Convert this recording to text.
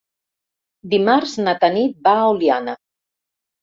Dimarts na Tanit va a Oliana.